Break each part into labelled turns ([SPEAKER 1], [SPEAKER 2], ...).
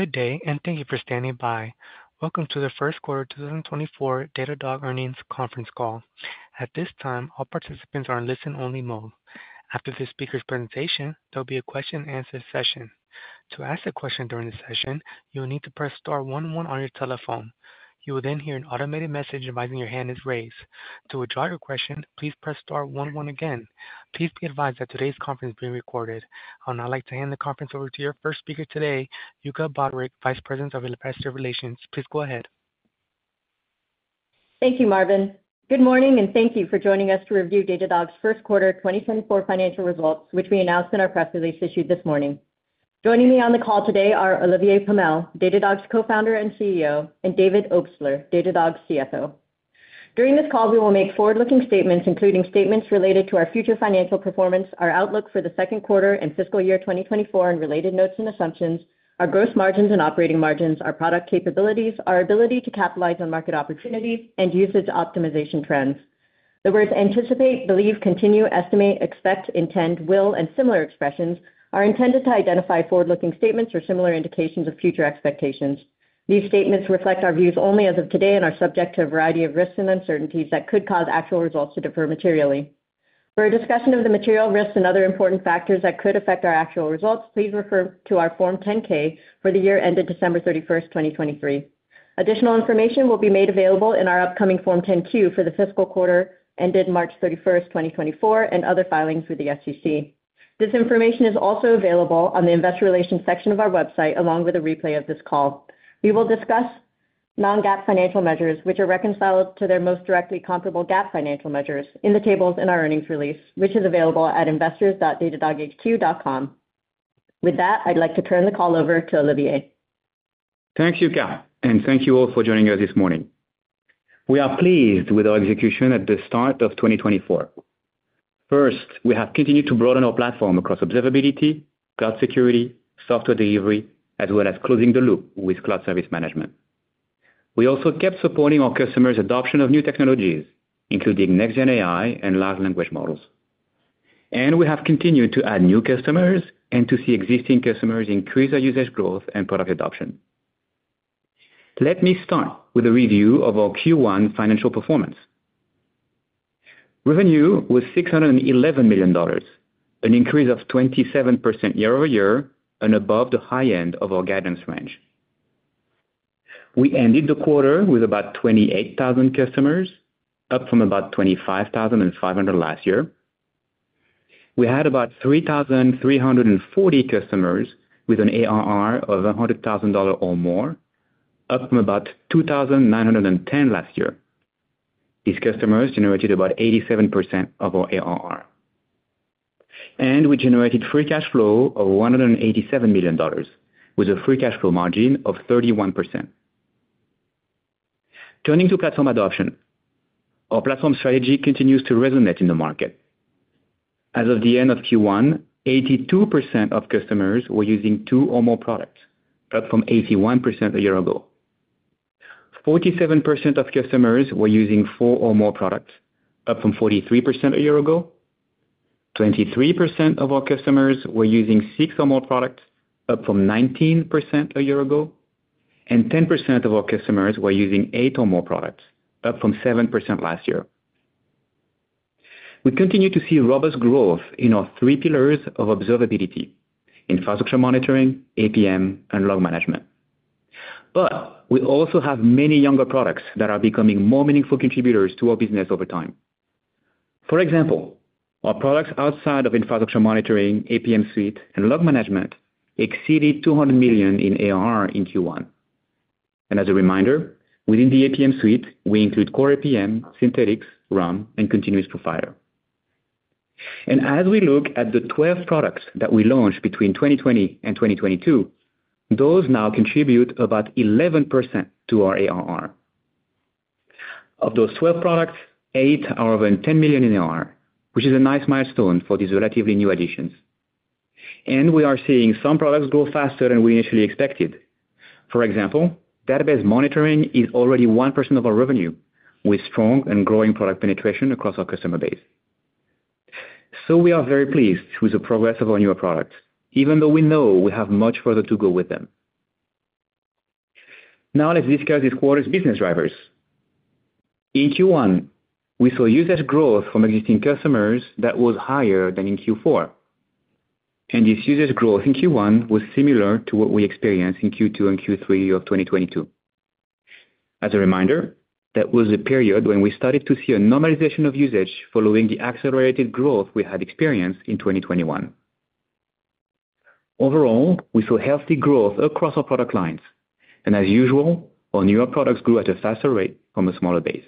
[SPEAKER 1] Good day, and thank you for standing by. Welcome to the First Quarter 2024 Datadog Earnings conference call. At this time, all participants are in listen-only mode. After this speaker's presentation, there will be a question-and-answer session. To ask a question during the session, you will need to press star one, one on your telephone. You will then hear an automated message advising your hand is raised. To withdraw your question, please press star one, one again. Please be advised that today's conference is being recorded. I would now like to hand the conference over to your first speaker today, Yuka Broderick, Vice President of Investor Relations. Please go ahead.
[SPEAKER 2] Thank you, Marvin. Good morning, and thank you for joining us to review Datadog's first quarter 2024 financial results, which we announced in our press release issued this morning. Joining me on the call today are Olivier Pomel, Datadog's co-founder and CEO, and David Obstler, Datadog's CFO. During this call, we will make forward-looking statements including statements related to our future financial performance, our outlook for the second quarter and fiscal year 2024 and related notes and assumptions, our gross margins and operating margins, our product capabilities, our ability to capitalize on market opportunities, and usage optimization trends. The words "anticipate," "believe," "continue," "estimate," "expect," "intend," "will," and similar expressions are intended to identify forward-looking statements or similar indications of future expectations. These statements reflect our views only as of today and are subject to a variety of risks and uncertainties that could cause actual results to differ materially. For a discussion of the material risks and other important factors that could affect our actual results, please refer to our Form 10-K for the year-ended December 31st, 2023. Additional information will be made available in our upcoming Form 10-Q for the fiscal quarter ended March 31st, 2024, and other filings with the SEC. This information is also available on the investor relations section of our website along with a replay of this call. We will discuss Non-GAAP financial measures, which are reconciled to their most directly comparable GAAP financial measures, in the tables in our earnings release, which is available at investors.datadoghq.com. With that, I'd like to turn the call over to Olivier.
[SPEAKER 3] Thanks, Yuka, and thank you all for joining us this morning. We are pleased with our execution at the start of 2024. First, we have continued to broaden our platform across observability, cloud security, software delivery, as well as closing the loop with cloud service management. We also kept supporting our customers' adoption of new technologies, including next-gen AI and large language models. We have continued to add new customers and to see existing customers increase their usage growth and product adoption. Let me start with a review of our Q1 financial performance. Revenue was $611 million, an increase of 27% year-over-year and above the high end of our guidance range. We ended the quarter with about 28,000 customers, up from about 25,500 last year. We had about 3,340 customers with an ARR of $100,000 or more, up from about 2,910 last year. These customers generated about 87% of our ARR. We generated free cash flow of $187 million with a free cash flow margin of 31%. Turning to platform adoption, our platform strategy continues to resonate in the market. As of the end of Q1, 82% of customers were using two or more products, up from 81% a year ago. 47% of customers were using four or more products, up from 43% a year ago. 23% of our customers were using six or more products, up from 19% a year ago. 10% of our customers were using eight or more products, up from 7% last year. We continue to see robust growth in our three pillars of observability: Infrastructure Monitoring, APM, and Log Management. We also have many younger products that are becoming more meaningful contributors to our business over time. For example, our products outside of Infrastructure Monitoring, APM Suite, and Log Management exceeded $200 million in ARR in Q1. And as a reminder, within the APM Suite, we include Core APM, Synthetics, RUM, and Continuous Profiler. And as we look at the 12 products that we launched between 2020 and 2022, those now contribute about 11% to our ARR. Of those 12 products, eight are over $10 million in ARR, which is a nice milestone for these relatively new additions. And we are seeing some products grow faster than we initially expected. For example, Database Monitoring is already 1% of our revenue with strong and growing product penetration across our customer base. So we are very pleased with the progress of our newer products, even though we know we have much further to go with them. Now let's discuss this quarter's business drivers. In Q1, we saw usage growth from existing customers that was higher than in Q4. This usage growth in Q1 was similar to what we experienced in Q2 and Q3 of 2022. As a reminder, that was the period when we started to see a normalization of usage following the accelerated growth we had experienced in 2021. Overall, we saw healthy growth across our product lines. As usual, our newer products grew at a faster rate from a smaller base.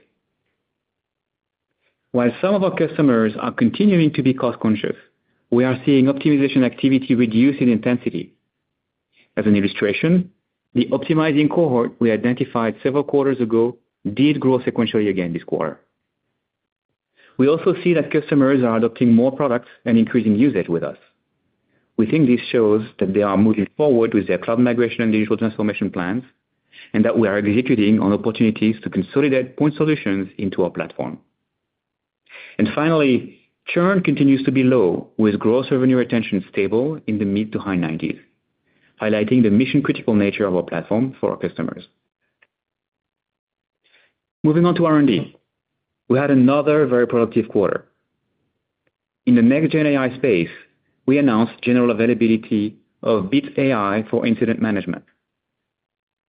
[SPEAKER 3] While some of our customers are continuing to be cost-conscious, we are seeing optimization activity reduce in intensity. As an illustration, the optimizing cohort we identified several quarters ago did grow sequentially again this quarter. We also see that customers are adopting more products and increasing usage with us. We think this shows that they are moving forward with their cloud migration and digital transformation plans, and that we are executing on opportunities to consolidate point solutions into our platform. Finally, churn continues to be low, with gross revenue retention stable in the mid- to high 90s, highlighting the mission-critical nature of our platform for our customers. Moving on to R&D, we had another very productive quarter. In the next-gen AI space, we announced general availability of Bits AI for incident management.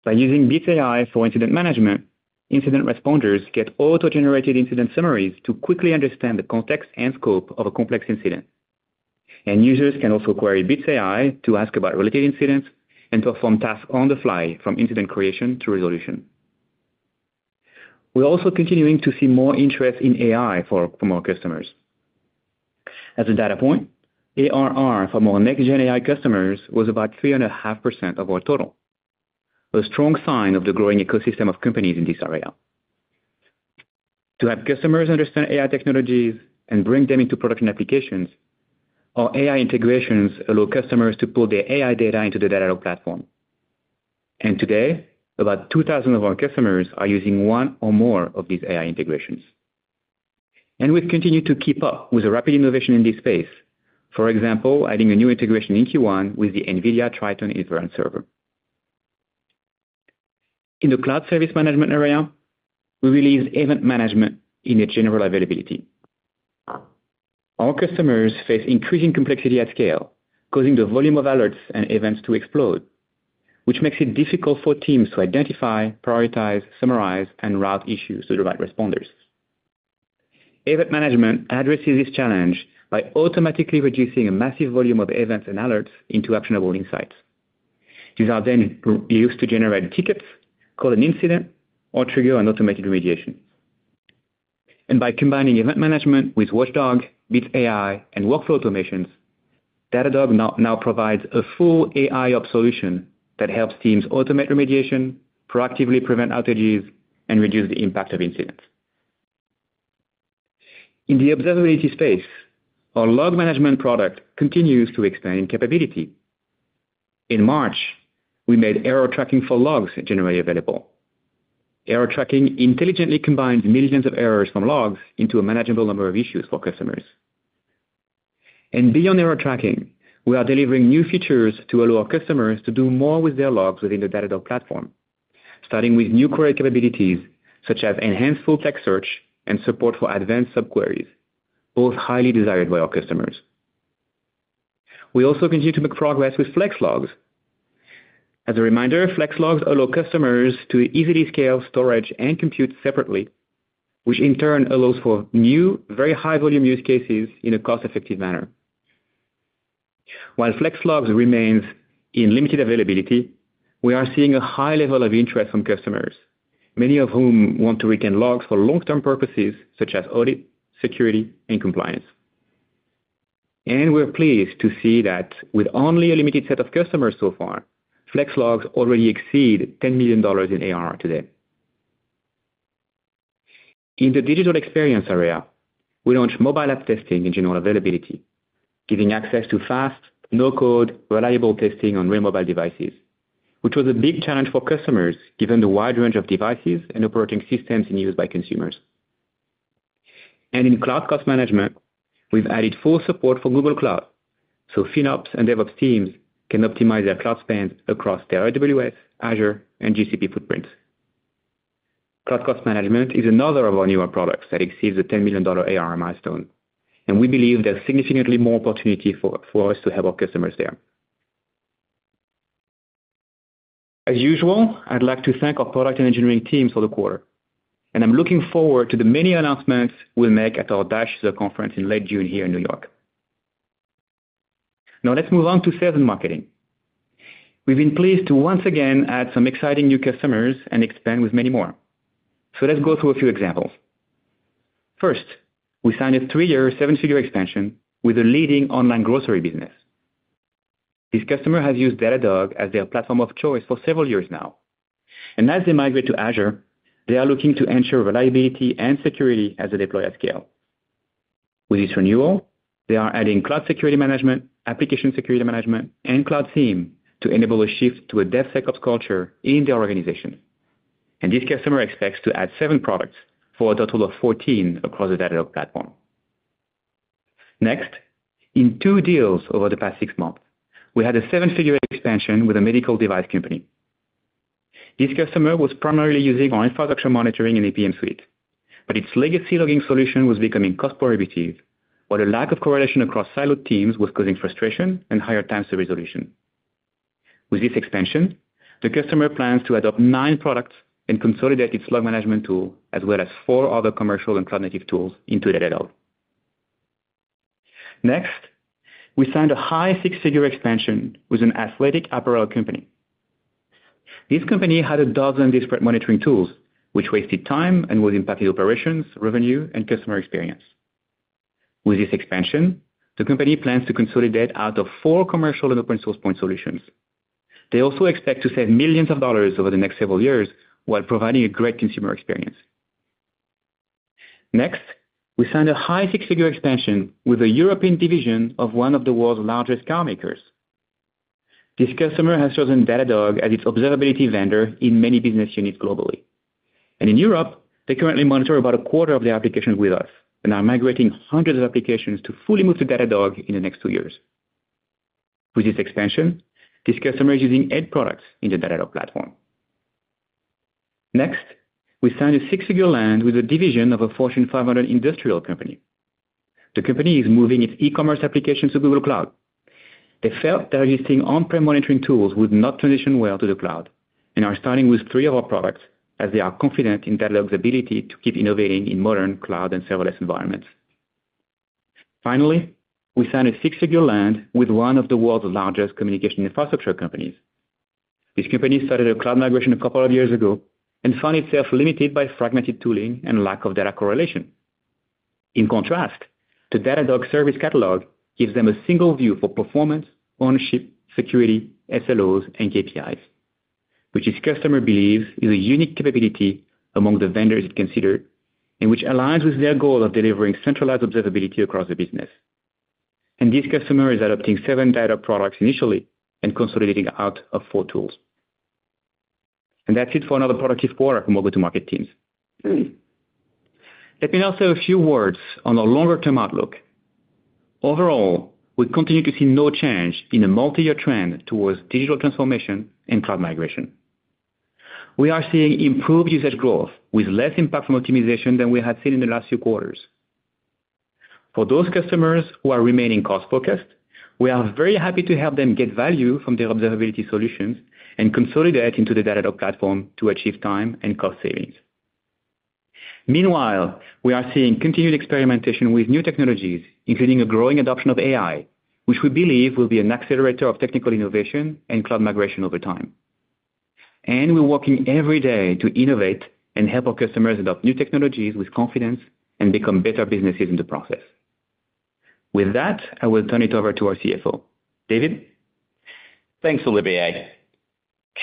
[SPEAKER 3] By using Bits AI for incident management, incident responders get auto-generated incident summaries to quickly understand the context and scope of a complex incident. Users can also query Bits AI to ask about related incidents and perform tasks on the fly from incident creation to resolution. We're also continuing to see more interest in AI from our customers. As a data point, ARR for more Next-gen AI customers was about 3.5% of our total, a strong sign of the growing ecosystem of companies in this area. To help customers understand AI technologies and bring them into production applications, our AI integrations allow customers to pull their AI data into the Datadog platform. Today, about 2,000 of our customers are using one or more of these AI integrations. We've continued to keep up with the rapid innovation in this space, for example, adding a new integration in Q1 with the NVIDIA Triton Inference Server. In the cloud service management area, we released Event Management in its general availability. Our customers face increasing complexity at scale, causing the volume of alerts and events to explode, which makes it difficult for teams to identify, prioritize, summarize, and route issues to the right responders. Event Management addresses this challenge by automatically reducing a massive volume of events and alerts into actionable insights. These are then used to generate tickets, call an incident, or trigger an automated remediation. By combining Event Management with Watchdog, Bits AI, and workflow automations, Datadog now provides a full AIOps solution that helps teams automate remediation, proactively prevent outages, and reduce the impact of incidents. In the observability space, our Log Management product continues to expand in capability. In March, we made Error Tracking for logs generally available. Error Tracking intelligently combines millions of errors from logs into a manageable number of issues for customers. Beyond Error Tracking, we are delivering new features to allow our customers to do more with their logs within the Datadog platform, starting with new query capabilities such as enhanced full-text search and support for advanced subqueries, both highly desired by our customers. We also continue to make progress with FlexLogs. As a reminder, FlexLogs allow customers to easily scale storage and compute separately, which in turn allows for new, very high-volume use cases in a cost-effective manner. While FlexLogs remains in limited availability, we are seeing a high level of interest from customers, many of whom want to retain logs for long-term purposes such as audit, security, and compliance. And we're pleased to see that with only a limited set of customers so far, FlexLogs already exceed $10 million in ARR today. In the digital experience area, we launched mobile app testing in general availability, giving access to fast, no-code, reliable testing on real mobile devices, which was a big challenge for customers given the wide range of devices and operating systems in use by consumers. In Cloud Cost Management, we've added full support for Google Cloud so FinOps and DevOps teams can optimize their cloud spend across their AWS, Azure, and GCP footprints. Cloud Cost Management is another of our newer products that exceeds the $10 million ARR milestone. We believe there's significantly more opportunity for us to help our customers there. As usual, I'd like to thank our product and engineering teams for the quarter. I'm looking forward to the many announcements we'll make at our DASH conference in late June here in New York. Now let's move on to sales and marketing. We've been pleased to once again add some exciting new customers and expand with many more. Let's go through a few examples. First, we signed a three-year, seven-figure expansion with the leading online grocery business. This customer has used Datadog as their platform of choice for several years now. As they migrate to Azure, they are looking to ensure reliability and security as they deploy at scale. With this renewal, they are adding Cloud Security Management, Application Security Management, and Cloud SIEM to enable a shift to a DevSecOps culture in their organization. This customer expects to add seven products for a total of 14 across the Datadog platform. Next, in two deals over the past six months, we had a seven-figure expansion with a medical device company. This customer was primarily using our Infrastructure Monitoring and APM Suite, but its legacy logging solution was becoming cost prohibitive, while a lack of correlation across siloed teams was causing frustration and higher times to resolution. With this expansion, the customer plans to adopt nine products and consolidate its Log Management tool as well as 4 other commercial and cloud-native tools into Datadog. Next, we signed a high six-figure expansion with an athletic apparel company. This company had 12 disparate monitoring tools, which wasted time and was impacting operations, revenue, and customer experience. With this expansion, the company plans to consolidate out of four commercial and open-source point solutions. They also expect to save millions of dollars over the next several years while providing a great consumer experience. Next, we signed a high six-figure expansion with a European division of one of the world's largest car makers. This customer has chosen Datadog as its observability vendor in many business units globally. In Europe, they currently monitor about a quarter of their applications with us and are migrating hundreds of applications to fully move to Datadog in the next two years. With this expansion, this customer is using eight products in the Datadog platform. Next, we signed a six-figure deal with a division of a Fortune 500 industrial company. The company is moving its e-commerce applications to Google Cloud. They felt that existing on-prem monitoring tools would not transition well to the cloud and are starting with three of our products as they are confident in Datadog's ability to keep innovating in modern cloud and serverless environments. Finally, we signed a six-figure deal with one of the world's largest communication infrastructure companies. This company started a cloud migration a couple of years ago and found itself limited by fragmented tooling and lack of data correlation. In contrast, the Datadog Service Catalog gives them a single view for performance, ownership, security, SLOs, and KPIs, which this customer believes is a unique capability among the vendors it considered and which aligns with their goal of delivering centralized observability across the business. And this customer is adopting seven Datadog products initially and consolidating out of four tools. And that's it for another productive quarter from our go-to-market teams. Let me now say a few words on our longer-term outlook. Overall, we continue to see no change in a multi-year trend towards digital transformation and cloud migration. We are seeing improved usage growth with less impactful optimization than we had seen in the last few quarters. For those customers who are remaining cost-focused, we are very happy to help them get value from their observability solutions and consolidate into the Datadog platform to achieve time and cost savings. Meanwhile, we are seeing continued experimentation with new technologies, including a growing adoption of AI, which we believe will be an accelerator of technical innovation and cloud migration over time. We're working every day to innovate and help our customers adopt new technologies with confidence and become better businesses in the process. With that, I will turn it over to our CFO, David.
[SPEAKER 4] Thanks, Olivier.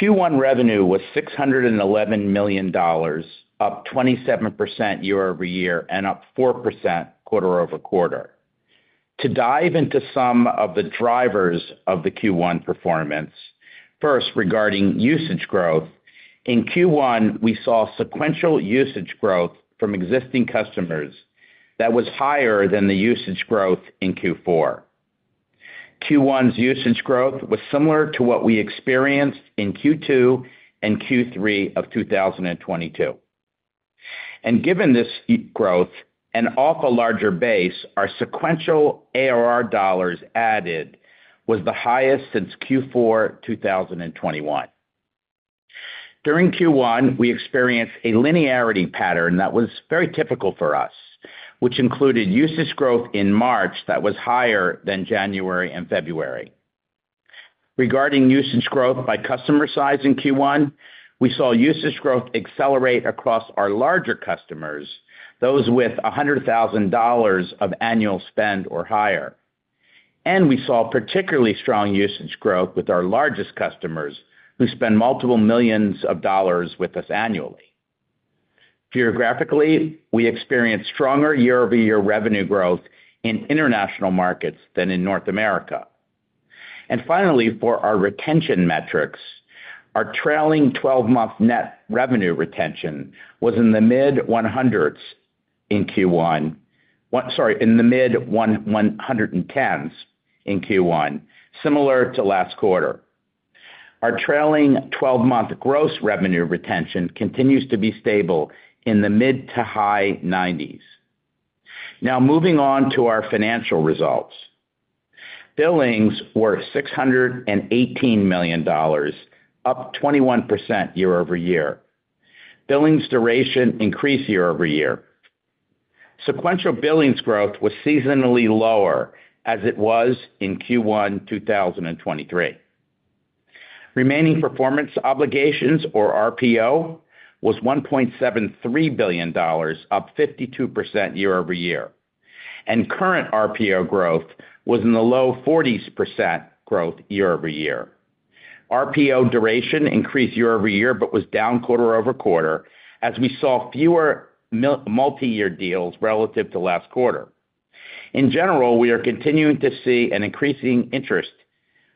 [SPEAKER 4] Q1 revenue was $611 million, up 27% year-over-year and up 4% quarter-over-quarter. To dive into some of the drivers of the Q1 performance, first regarding usage growth, in Q1, we saw sequential usage growth from existing customers that was higher than the usage growth in Q4. Q1's usage growth was similar to what we experienced in Q2 and Q3 of 2022. Given this growth, on a far larger base, our sequential ARR dollars added was the highest since Q4 2021. During Q1, we experienced a linearity pattern that was very typical for us, which included usage growth in March that was higher than January and February. Regarding usage growth by customer size in Q1, we saw usage growth accelerate across our larger customers, those with $100,000 of annual spend or higher. We saw particularly strong usage growth with our largest customers who spend multiple millions of dollars with us annually. Geographically, we experienced stronger year-over-year revenue growth in international markets than in North America. And finally, for our retention metrics, our trailing 12-month net revenue retention was in the mid-100s in Q1 sorry, in the mid-110s in Q1, similar to last quarter. Our trailing 12-month gross revenue retention continues to be stable in the mid- to high 90s. Now moving on to our financial results. Billings were $618 million, up 21% year-over-year. Billings duration increased year-over-year. Sequential billings growth was seasonally lower as it was in Q1, 2023. Remaining performance obligations, or RPO, was $1.73 billion, up 52% year-over-year. And current RPO growth was in the low 40% year-over-year. RPO duration increased year-over-year but was down quarter-over-quarter as we saw fewer multi-year deals relative to last quarter. In general, we are continuing to see an increasing interest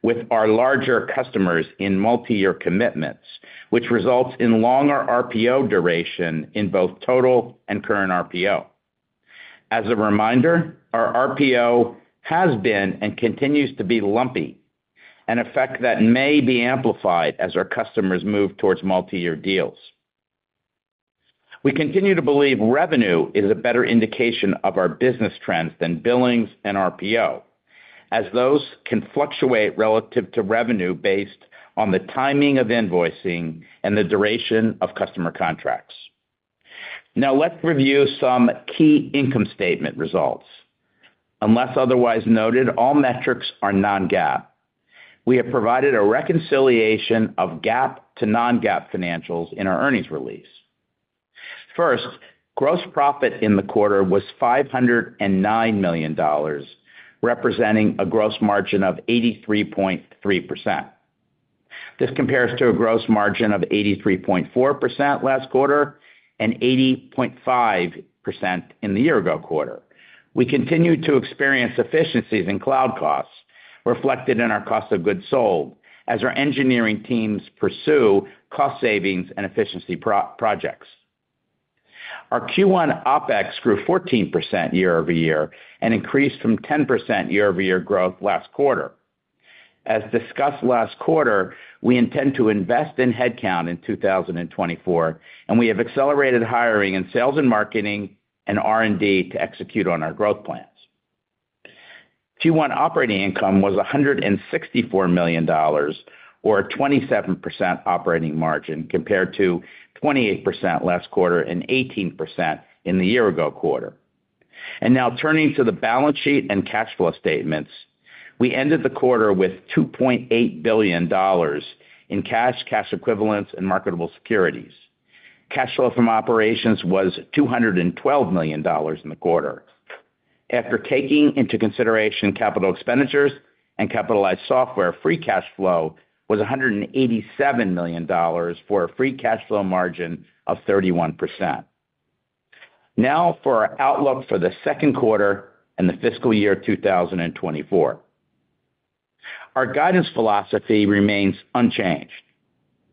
[SPEAKER 4] with our larger customers in multi-year commitments, which results in longer RPO duration in both total and current RPO. As a reminder, our RPO has been and continues to be lumpy, an effect that may be amplified as our customers move towards multi-year deals. We continue to believe revenue is a better indication of our business trends than billings and RPO, as those can fluctuate relative to revenue based on the timing of invoicing and the duration of customer contracts. Now let's review some key income statement results. Unless otherwise noted, all metrics are non-GAAP. We have provided a reconciliation of GAAP to non-GAAP financials in our earnings release. First, gross profit in the quarter was $509 million, representing a gross margin of 83.3%. This compares to a gross margin of 83.4% last quarter and 80.5% in the year-ago quarter. We continue to experience efficiencies in cloud costs reflected in our cost of goods sold as our engineering teams pursue cost savings and efficiency projects. Our Q1 OpEx grew 14% year-over-year and increased from 10% year-over-year growth last quarter. As discussed last quarter, we intend to invest in headcount in 2024, and we have accelerated hiring in sales and marketing and R&D to execute on our growth plans. Q1 operating income was $164 million, or a 27% operating margin compared to 28% last quarter and 18% in the year-ago quarter. Now turning to the balance sheet and cash flow statements, we ended the quarter with $2.8 billion in cash, cash equivalents, and marketable securities. Cash flow from operations was $212 million in the quarter. After taking into consideration capital expenditures and capitalized software, free cash flow was $187 million for a free cash flow margin of 31%. Now for our outlook for the second quarter and the fiscal year 2024. Our guidance philosophy remains unchanged.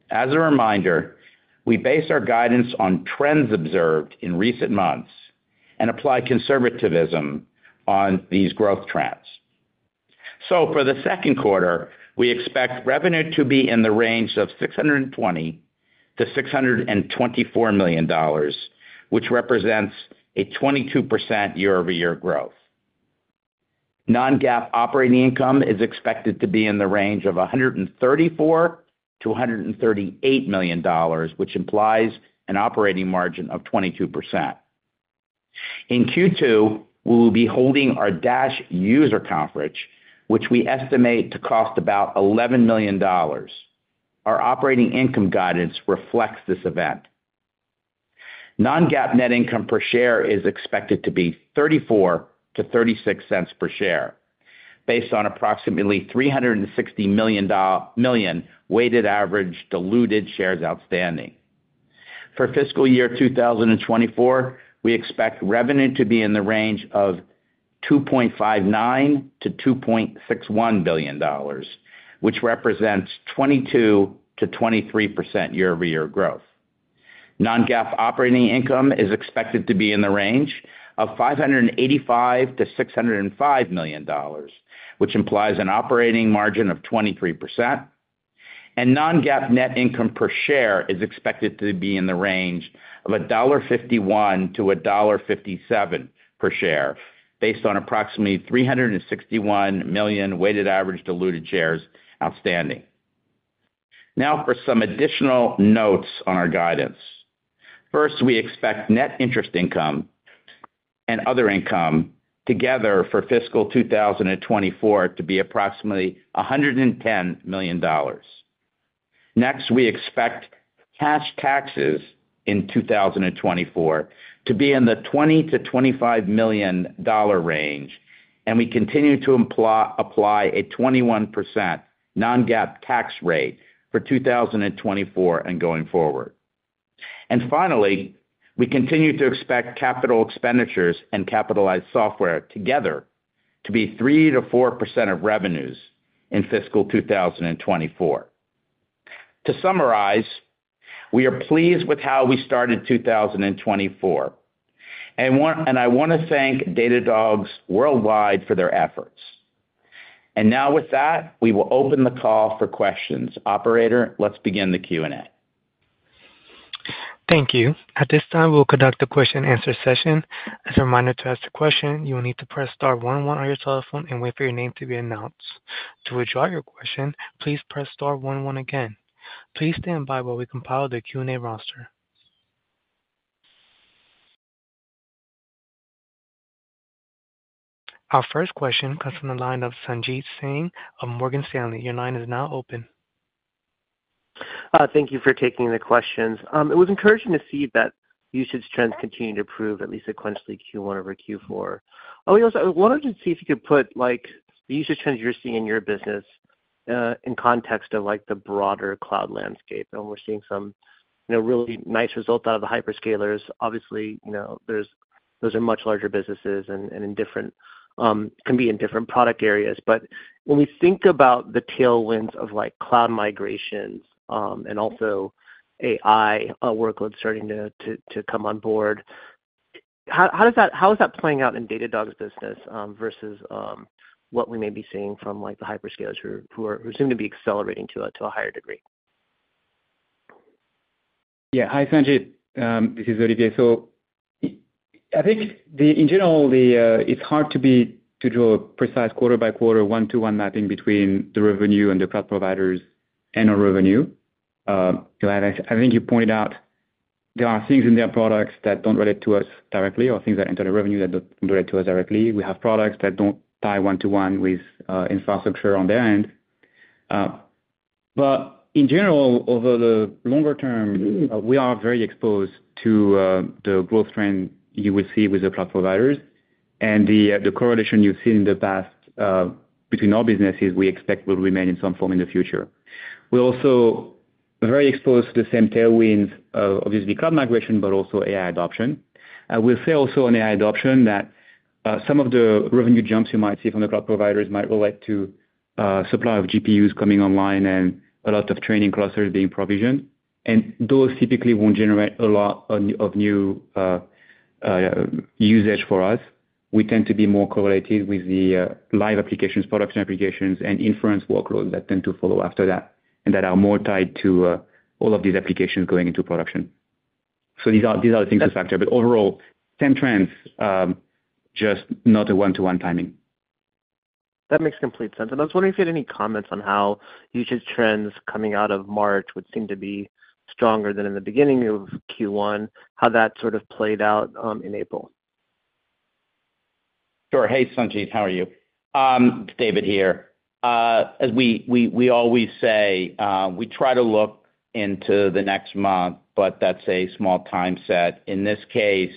[SPEAKER 4] As a reminder, we base our guidance on trends observed in recent months and apply conservatism on these growth trends. So for the second quarter, we expect revenue to be in the range of $620-$624 million, which represents a 22% year-over-year growth. Non-GAAP operating income is expected to be in the range of $134-$138 million, which implies an operating margin of 22%. In Q2, we will be holding our DASH user conference, which we estimate to cost about $11 million. Our operating income guidance reflects this event. Non-GAAP net income per share is expected to be $0.34-$0.36 per share based on approximately 360 million weighted average diluted shares outstanding. For fiscal year 2024, we expect revenue to be in the range of $2.59-$2.61 billion, which represents 22%-23% year-over-year growth. Non-GAAP operating income is expected to be in the range of $585-$605 million, which implies an operating margin of 23%. Non-GAAP net income per share is expected to be in the range of $1.51-$1.57 per share based on approximately 361 million weighted average diluted shares outstanding. Now for some additional notes on our guidance. First, we expect net interest income and other income together for fiscal 2024 to be approximately $110 million. Next, we expect cash taxes in 2024 to be in the $20 million-$25 million range, and we continue to apply a 21% non-GAAP tax rate for 2024 and going forward. And finally, we continue to expect capital expenditures and capitalized software together to be 3%-4% of revenues in fiscal 2024. To summarize, we are pleased with how we started 2024, and I want to thank Datadogs worldwide for their efforts. Now with that, we will open the call for questions. Operator, let's begin the Q&A.
[SPEAKER 1] Thank you. At this time, we will conduct a question-and-answer session. As a reminder to ask a question, you will need to press star one, one on your telephone and wait for your name to be announced. To withdraw your question, please press star one, one again. Please stand by while we compile the Q&A roster. Our first question comes from the line of Sanjit Singh of Morgan Stanley. Your line is now open.
[SPEAKER 5] Thank you for taking the questions. It was encouraging to see that usage trends continue to improve at least sequentially Q1 over Q4. I wanted to see if you could put the usage trends you're seeing in your business in context of the broader cloud landscape. We're seeing some really nice results out of the hyperscalers. Obviously, those are much larger businesses and can be in different product areas. When we think about the tailwinds of cloud migrations and also AI workload starting to come on board, how is that playing out in Datadog's business versus what we may be seeing from the hyperscalers who seem to be accelerating to a higher degree?
[SPEAKER 3] Yeah. Hi, Sanjit. This is Olivier. So I think, in general, it's hard to draw a precise quarter-by-quarter one-to-one mapping between the revenue and the cloud providers and our revenue. I think you pointed out there are things in their products that don't relate to us directly or things that enter the revenue that don't relate to us directly. We have products that don't tie one-to-one with infrastructure on their end. But in general, over the longer term, we are very exposed to the growth trend you will see with the cloud providers. And the correlation you've seen in the past between our businesses, we expect, will remain in some form in the future. We're also very exposed to the same tailwinds, obviously, cloud migration, but also AI adoption. I will say also on AI adoption that some of the revenue jumps you might see from the cloud providers might relate to supply of GPUs coming online and a lot of training clusters being provisioned. Those typically won't generate a lot of new usage for us. We tend to be more correlated with the live applications, production applications, and inference workloads that tend to follow after that and that are more tied to all of these applications going into production. These are the things to factor. Overall, same trends, just not a one-to-one timing.
[SPEAKER 5] That makes complete sense. And I was wondering if you had any comments on how usage trends coming out of March would seem to be stronger than in the beginning of Q1, how that sort of played out in April.
[SPEAKER 4] Sure. Hey, Sanjit. How are you? It's David here. As we always say, we try to look into the next month, but that's a small time set. In this case,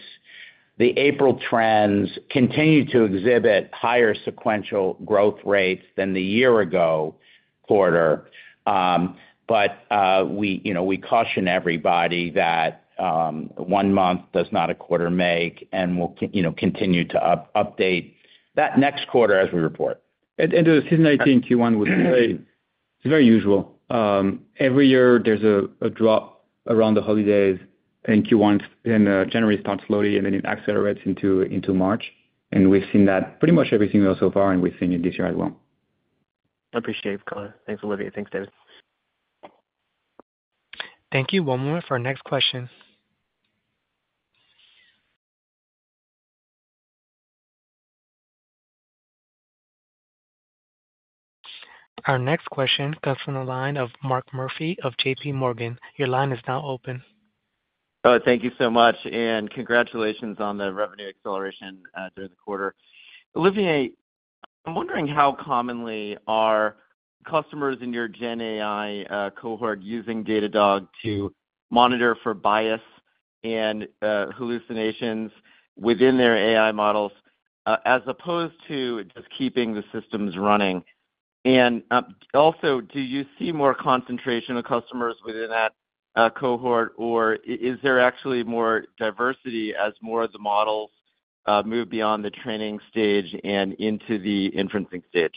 [SPEAKER 4] the April trends continue to exhibit higher sequential growth rates than the year-ago quarter. But we caution everybody that one month does not a quarter make and will continue to update that next quarter as we report.
[SPEAKER 3] The seasonality in Q1 would say it's very usual. Every year, there's a drop around the holidays, and January starts slowly, and then it accelerates into March. We've seen that pretty much everything so far, and we've seen it this year as well.
[SPEAKER 5] Appreciate your colour. Thanks, Olivier. Thanks, David.
[SPEAKER 1] Thank you. One more for our next question. Our next question comes from the line of Mark Murphy of JP Morgan. Your line is now open.
[SPEAKER 6] Thank you so much. Congratulations on the revenue acceleration during the quarter. Olivier, I'm wondering how commonly are customers in your GenAI cohort using Datadog to monitor for bias and hallucinations within their AI models as opposed to just keeping the systems running? Also, do you see more concentration of customers within that cohort, or is there actually more diversity as more of the models move beyond the training stage and into the inferencing stage?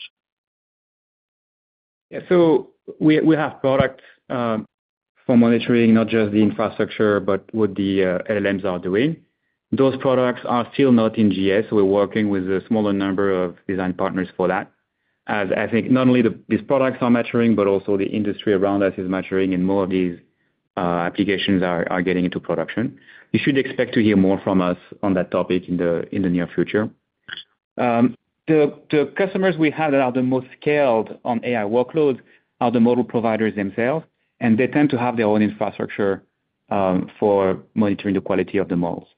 [SPEAKER 3] Yeah. So we have products for monitoring, not just the infrastructure but what the LLMs are doing. Those products are still not in GA. We're working with a smaller number of design partners for that. I think not only these products are maturing, but also the industry around us is maturing, and more of these applications are getting into production. You should expect to hear more from us on that topic in the near future. The customers we have that are the most scaled on AI workloads are the model providers themselves, and they tend to have their own infrastructure for monitoring the quality of the models.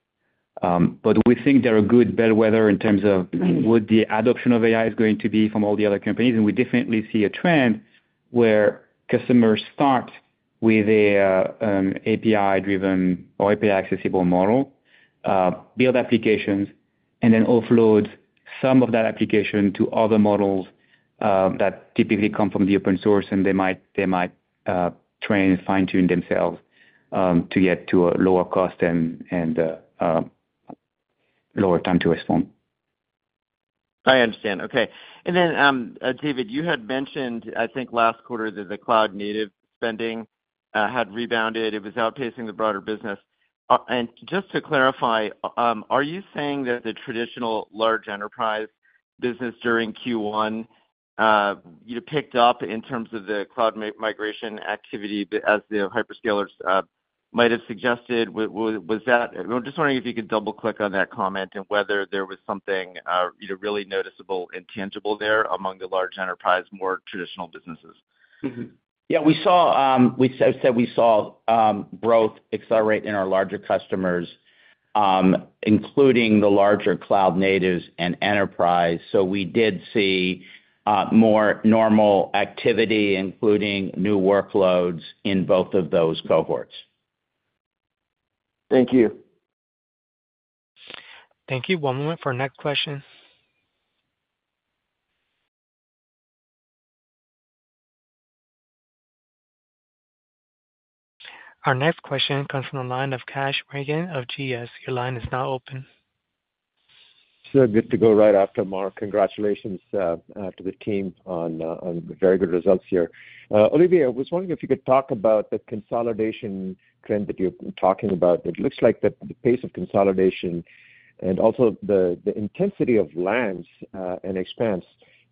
[SPEAKER 3] But we think they're a good bellwether in terms of what the adoption of AI is going to be from all the other companies. We definitely see a trend where customers start with an API-driven or API-accessible model, build applications, and then offload some of that application to other models that typically come from the open source, and they might train and fine-tune themselves to get to a lower cost and lower time to respond.
[SPEAKER 6] I understand. Okay. And then, David, you had mentioned, I think, last quarter that the cloud-native spending had rebounded. It was outpacing the broader business. And just to clarify, are you saying that the traditional large enterprise business during Q1 picked up in terms of the cloud migration activity as the hyperscalers might have suggested? I'm just wondering if you could double-click on that comment and whether there was something really noticeable and tangible there among the large enterprise, more traditional businesses?
[SPEAKER 4] Yeah. As I said, we saw growth accelerate in our larger customers, including the larger cloud natives and enterprise. We did see more normal activity, including new workloads, in both of those cohorts.
[SPEAKER 6] Thank you.
[SPEAKER 1] Thank you. One moment for our next question. Our next question comes from the line of Kash Rangan of GS. Your line is now open.
[SPEAKER 7] Good to go right after Mark. Congratulations to the team on very good results here. Olivier, I was wondering if you could talk about the consolidation trend that you're talking about. It looks like the pace of consolidation and also the intensity of lands and expansions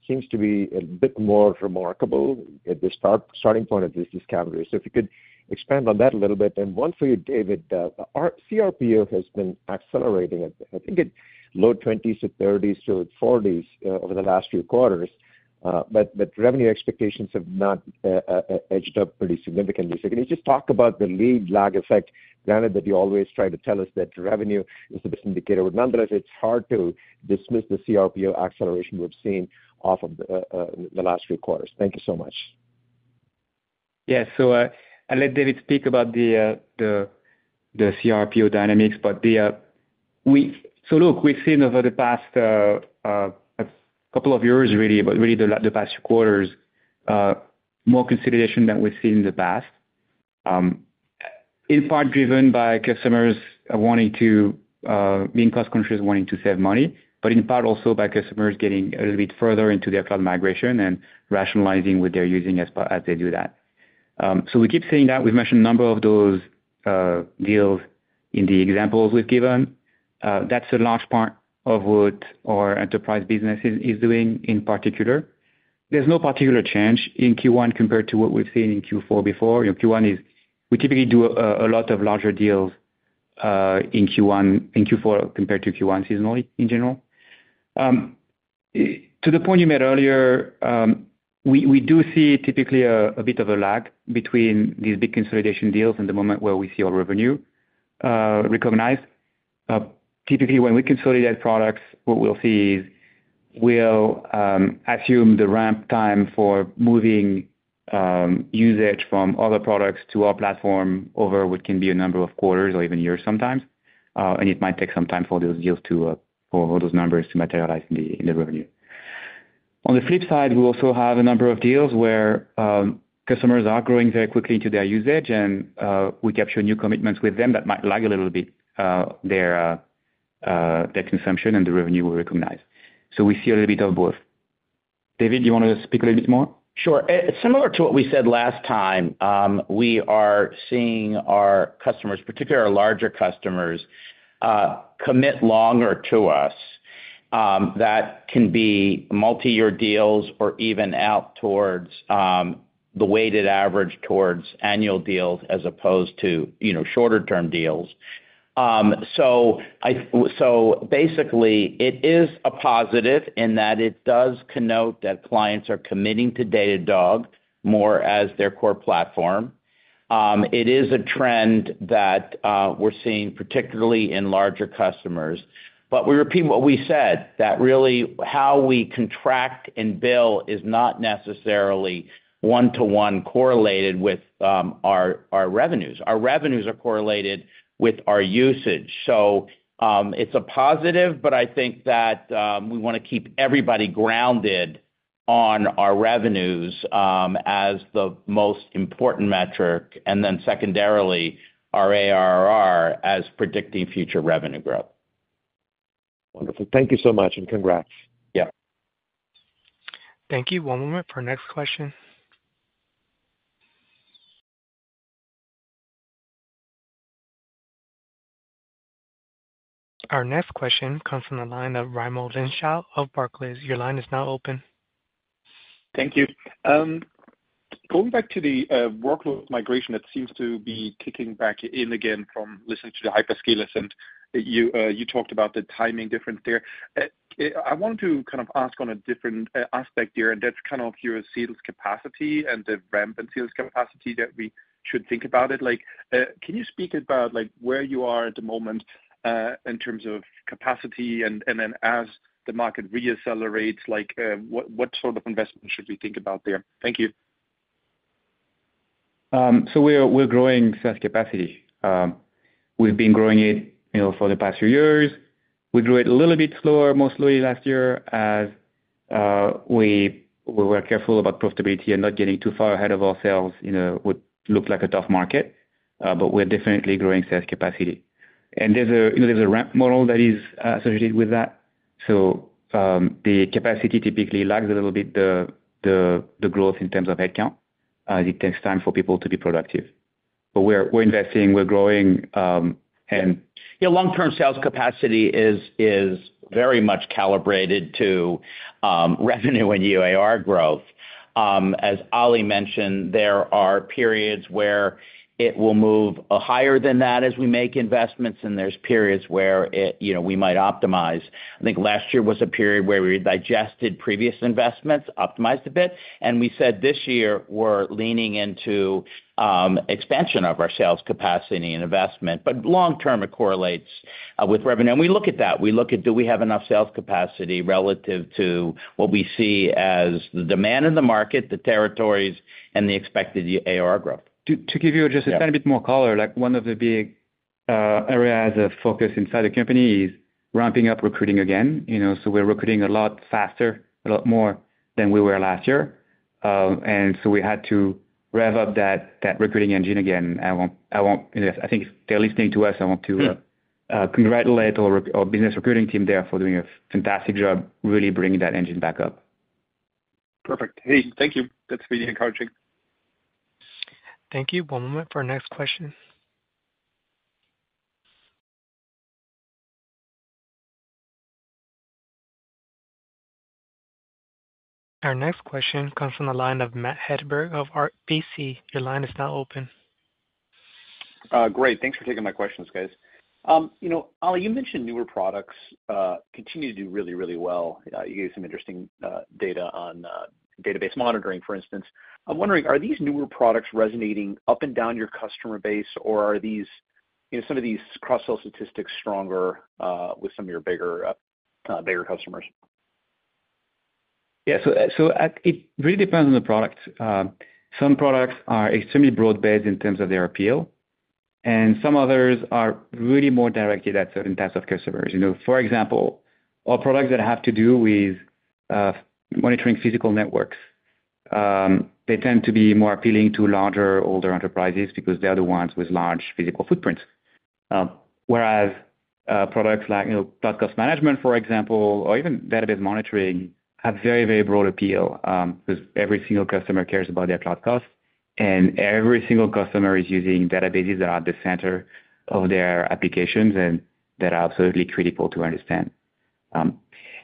[SPEAKER 7] seems to be a bit more remarkable at the starting point of this discovery. So if you could expand on that a little bit. And one for you, David. CRPO has been accelerating. I think it's low 20s-30s to-40s over the last few quarters, but revenue expectations have not edged up pretty significantly. So can you just talk about the lead-lag effect? Granted that you always try to tell us that revenue is the best indicator, but nonetheless, it's hard to dismiss the CRPO acceleration we've seen off of the last few quarters. Thank you so much.
[SPEAKER 3] Yeah. So I'll let David speak about the CRPO dynamics. But so look, we've seen over the past couple of years, really, but really the past few quarters, more consolidation than we've seen in the past, in part driven by customers being cost-conscious, wanting to save money, but in part also by customers getting a little bit further into their cloud migration and rationalizing what they're using as they do that. So we keep seeing that. We've mentioned a number of those deals in the examples we've given. That's a large part of what our enterprise business is doing in particular. There's no particular change in Q1 compared to what we've seen in Q4 before. We typically do a lot of larger deals in Q4 compared to Q1 seasonally, in general. To the point you made earlier, we do see typically a bit of a lag between these big consolidation deals and the moment where we see our revenue recognized. Typically, when we consolidate products, what we'll see is we'll assume the ramp time for moving usage from other products to our platform over what can be a number of quarters or even years sometimes. It might take some time for those numbers to materialize in the revenue. On the flip side, we also have a number of deals where customers are growing very quickly into their usage, and we capture new commitments with them that might lag a little bit, their consumption and the revenue we recognize. So we see a little bit of both. David, do you want to speak a little bit more?
[SPEAKER 4] Sure. Similar to what we said last time, we are seeing our customers, particularly our larger customers, commit longer to us. That can be multi-year deals or even out towards the weighted average towards annual deals as opposed to shorter-term deals. So basically, it is a positive in that it does connote that clients are committing to Datadog more as their core platform. It is a trend that we're seeing, particularly in larger customers. But we repeat what we said, that really how we contract and bill is not necessarily one-to-one correlated with our revenues. Our revenues are correlated with our usage. So it's a positive, but I think that we want to keep everybody grounded on our revenues as the most important metric and then secondarily our ARR as predicting future revenue growth.
[SPEAKER 7] Wonderful. Thank you so much, and congrats.
[SPEAKER 4] Yeah.
[SPEAKER 1] Thank you. One moment for our next question. Our next question comes from the line of Raimo Lenschow of Barclays. Your line is now open.
[SPEAKER 8] Thank you. Going back to the workload migration, it seems to be kicking back in again from listening to the hyperscalers. And you talked about the timing difference there. I wanted to kind of ask on a different aspect here, and that's kind of your sales capacity and the ramp and sales capacity that we should think about it. Can you speak about where you are at the moment in terms of capacity? And then as the market reaccelerates, what sort of investment should we think about there? Thank you.
[SPEAKER 3] So we're growing sales capacity. We've been growing it for the past few years. We grew it a little bit slower, most slowly last year as we were careful about profitability and not getting too far ahead of ourselves in what looked like a tough market. But we're definitely growing sales capacity. And there's a ramp model that is associated with that. So the capacity typically lags a little bit, the growth in terms of headcount, as it takes time for people to be productive. But we're investing. We're growing. And.
[SPEAKER 4] Yeah. Long-term sales capacity is very much calibrated to revenue and ARR growth. As Olivier mentioned, there are periods where it will move higher than that as we make investments, and there's periods where we might optimize. I think last year was a period where we digested previous investments, optimized a bit, and we said this year we're leaning into expansion of our sales capacity and investment. But long-term, it correlates with revenue. And we look at that. We look at do we have enough sales capacity relative to what we see as the demand in the market, the territories, and the expected ARR growth.
[SPEAKER 3] To give you just a tiny bit more color, one of the big areas of focus inside the company is ramping up recruiting again. We're recruiting a lot faster, a lot more than we were last year. We had to rev up that recruiting engine again. I think if they're listening to us, I want to congratulate our business recruiting team there for doing a fantastic job, really bringing that engine back up.
[SPEAKER 8] Perfect. Hey, thank you. That's really encouraging.
[SPEAKER 1] Thank you. One moment for our next question. Our next question comes from the line of Matt Hedberg of RBC. Your line is now open.
[SPEAKER 9] Great. Thanks for taking my questions, guys. Olivier, you mentioned newer products continue to do really, really well. You gave some interesting data on Database Monitoring, for instance. I'm wondering, are these newer products resonating up and down your customer base, or are some of these cross-sell statistics stronger with some of your bigger customers?
[SPEAKER 3] Yeah. So it really depends on the product. Some products are extremely broad-based in terms of their appeal, and some others are really more directed at certain types of customers. For example, our products that have to do with monitoring physical networks, they tend to be more appealing to larger, older enterprises because they're the ones with large physical footprints. Whereas products like Cloud Cost Management, for example, or even Database Monitoring have very, very broad appeal because every single customer cares about their cloud cost, and every single customer is using databases that are at the center of their applications and that are absolutely critical to understand.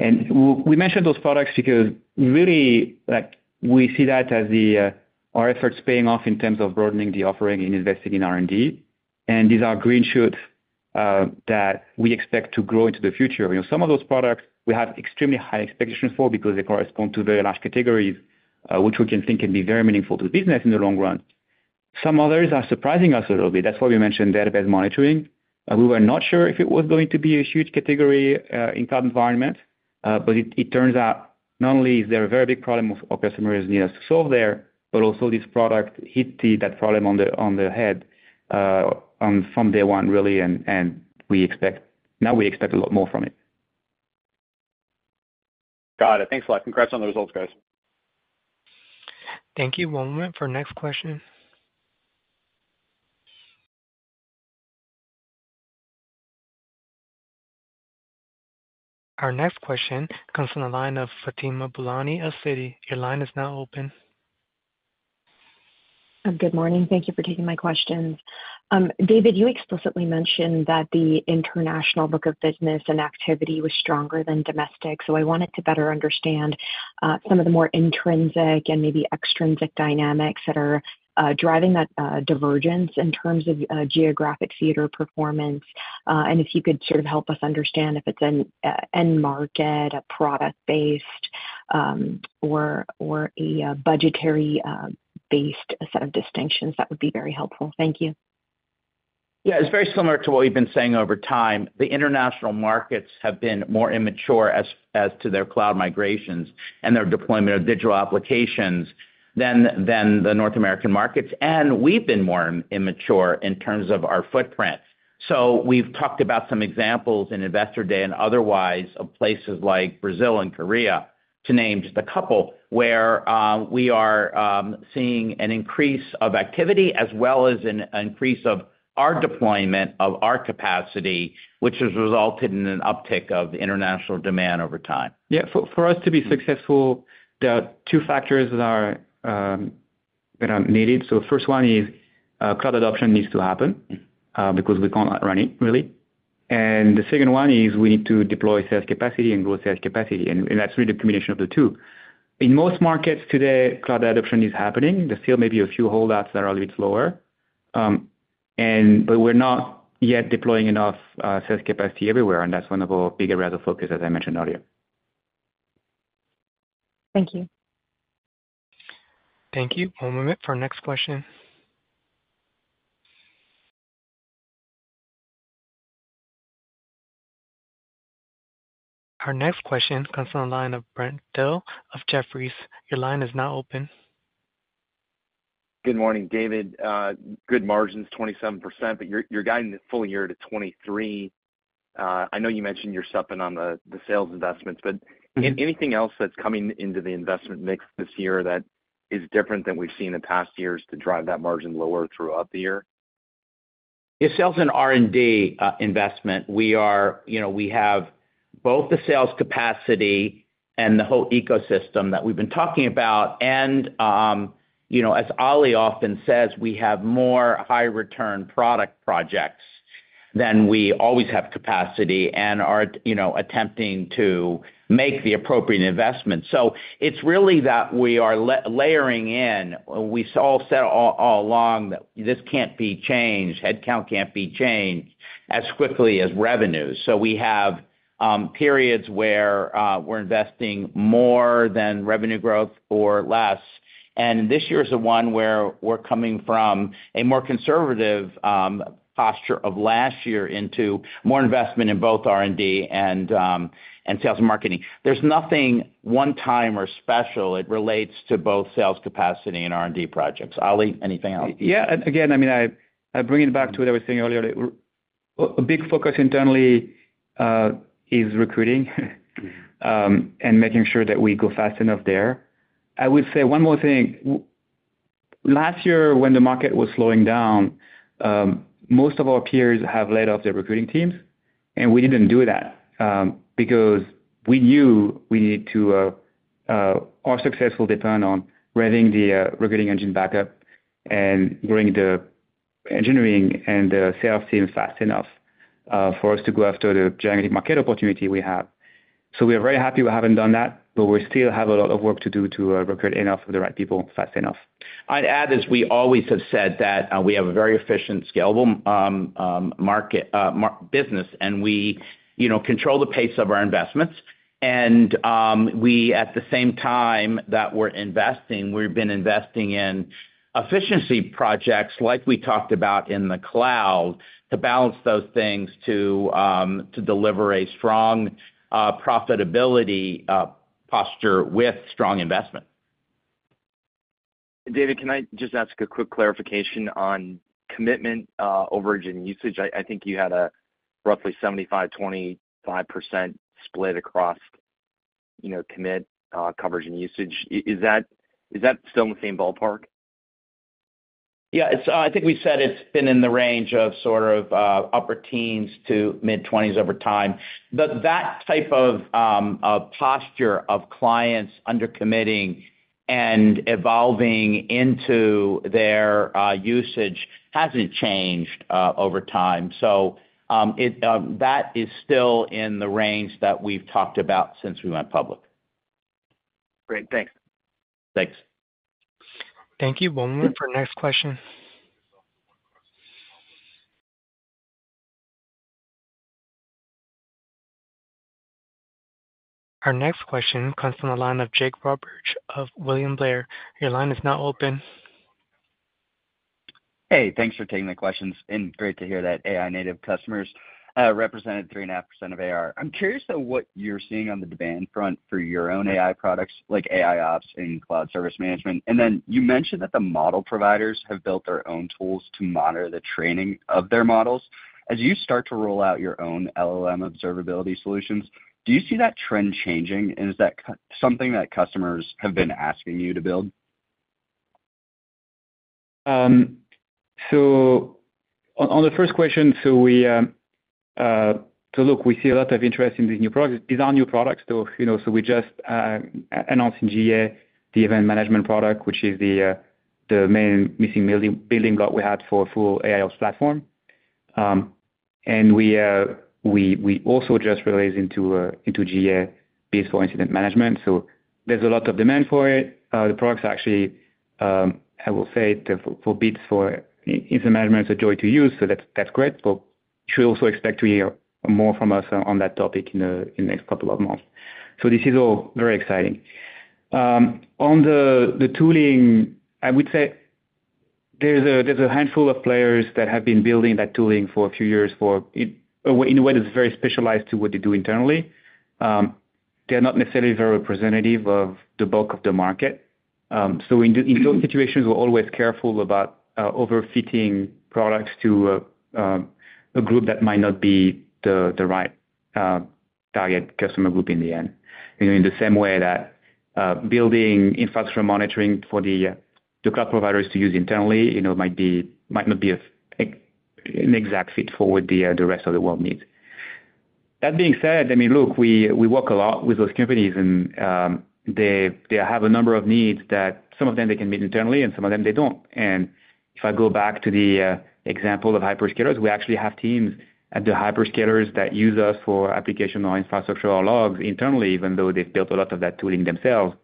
[SPEAKER 3] And we mentioned those products because really, we see that as our efforts paying off in terms of broadening the offering and investing in R&D. And these are green shoots that we expect to grow into the future. Some of those products, we have extremely high expectations for because they correspond to very large categories, which we can think can be very meaningful to business in the long run. Some others are surprising us a little bit. That's why we mentioned Database Monitoring. We were not sure if it was going to be a huge category in the cloud environment, but it turns out not only is there a very big problem our customers need us to solve there, but also this product hit that problem on the head from day one, really. And now we expect a lot more from it.
[SPEAKER 9] Got it. Thanks a lot. Congrats on the results, guys.
[SPEAKER 1] Thank you. One moment for our next question. Our next question comes from the line of Fatima Boolani of Citi. Your line is now open.
[SPEAKER 10] Good morning. Thank you for taking my questions. David, you explicitly mentioned that the international book of business and activity was stronger than domestic. So I wanted to better understand some of the more intrinsic and maybe extrinsic dynamics that are driving that divergence in terms of geographic theater performance. And if you could sort of help us understand if it's an end market, a product-based, or a budgetary-based set of distinctions, that would be very helpful. Thank you.
[SPEAKER 4] Yeah. It's very similar to what we've been saying over time. The international markets have been more immature as to their cloud migrations and their deployment of digital applications than the North American markets. We've been more immature in terms of our footprint. We've talked about some examples in Investor Day and otherwise of places like Brazil and Korea, to name just a couple, where we are seeing an increase of activity as well as an increase of our deployment of our capacity, which has resulted in an uptick of international demand over time.
[SPEAKER 3] Yeah. For us to be successful, there are two factors that are needed. The first one is cloud adoption needs to happen because we can't run it, really. The second one is we need to deploy sales capacity and grow sales capacity. That's really a combination of the two. In most markets today, cloud adoption is happening. There's still maybe a few holdouts that are a little bit slower, but we're not yet deploying enough sales capacity everywhere. That's one of our bigger areas of focus, as I mentioned earlier.
[SPEAKER 9] Thank you.
[SPEAKER 1] Thank you. One moment for our next question. Our next question comes from the line of Brent Thill of Jefferies. Your line is now open.
[SPEAKER 11] Good morning, David. Good margins, 27%, but you're guiding the full-year to 23%. I know you mentioned you're stepping on the sales investments, but anything else that's coming into the investment mix this year that is different than we've seen in past years to drive that margin lower throughout the year?
[SPEAKER 12] In sales and R&D investment, we have both the sales capacity and the whole ecosystem that we've been talking about. And as Olivier often says, we have more high-return product projects than we always have capacity and are attempting to make the appropriate investments. So it's really that we are layering in. We all said all along that this can't be changed. Headcount can't be changed as quickly as revenue. So we have periods where we're investing more than revenue growth or less. And this year is the one where we're coming from a more conservative posture of last year into more investment in both R&D and sales and marketing. There's nothing one-time or special. It relates to both sales capacity and R&D projects. Olivier, anything else?
[SPEAKER 3] Yeah. Again, I mean, I'm bringing it back to what I was saying earlier. A big focus internally is recruiting and making sure that we go fast enough there. I would say one more thing. Last year, when the market was slowing down, most of our peers have laid off their recruiting teams. And we didn't do that because we knew we needed to our success will depend on revving the recruiting engine back up and growing the engineering and the sales team fast enough for us to go after the gigantic market opportunity we have. So we are very happy we haven't done that, but we still have a lot of work to do to recruit enough of the right people fast enough.
[SPEAKER 4] I'd add is we always have said that we have a very efficient, scalable business, and we control the pace of our investments. At the same time that we're investing, we've been investing in efficiency projects like we talked about in the cloud to balance those things to deliver a strong profitability posture with strong investment.
[SPEAKER 11] David, can I just ask a quick clarification on commitment, overage, and usage? I think you had a roughly 75%-25% split across commit, overage, and usage. Is that still in the same ballpark?
[SPEAKER 4] Yeah. I think we said it's been in the range of sort of upper teens to mid-20s over time. But that type of posture of clients undercommitting and evolving into their usage hasn't changed over time. So that is still in the range that we've talked about since we went public.
[SPEAKER 11] Great. Thanks.
[SPEAKER 4] Thanks.
[SPEAKER 1] Thank you. One moment for our next question. Our next question comes from the line of Jake Roberge of William Blair. Your line is now open.
[SPEAKER 13] Hey. Thanks for taking the questions. Great to hear that AI-native customers represented 3.5% of ARR. I'm curious though what you're seeing on the demand front for your own AI products like AIOps and Cloud Security Management. And then you mentioned that the model providers have built their own tools to monitor the training of their models. As you start to roll out your own LLM observability solutions, do you see that trend changing? Is that something that customers have been asking you to build?
[SPEAKER 3] So on the first question, so look, we see a lot of interest in these new products. These are new products though. So we just announced in GA the event management product, which is the main missing building block we had for a full AIOps platform. And we also just released into GA Bits for incident management. So there's a lot of demand for it. The products actually, I will say, for Bits for incident management, it's a joy to use. So that's great. But you should also expect to hear more from us on that topic in the next couple of months. So this is all very exciting. On the tooling, I would say there's a handful of players that have been building that tooling for a few years in a way that's very specialized to what they do internally. They're not necessarily very representative of the bulk of the market. So in those situations, we're always careful about overfitting products to a group that might not be the right target customer group in the end. In the same way that building Infrastructure Monitoring for the cloud providers to use internally might not be an exact fit for what the rest of the world needs. That being said, I mean, look, we work a lot with those companies, and they have a number of needs that some of them they can meet internally, and some of them they don't. And if I go back to the example of hyperscalers, we actually have teams at the hyperscalers that use us for application and infrastructure or logs internally, even though they've built a lot of that tooling themselves.